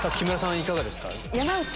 いかがですか？